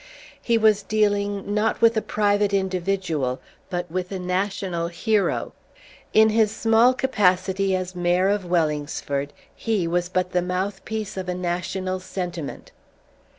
He was dealing, not with a private individual, but with a national hero. In his small official capacity as Mayor of Wellingsford, he was but the mouthpiece of a national sentiment.